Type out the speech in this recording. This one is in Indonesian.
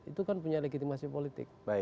itu kan punya legitimasi politik